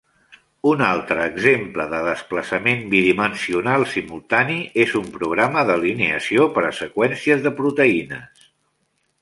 Un altre exemple de desplaçament bidimensional simultani és un programa d'alineació per a seqüències de proteïnes.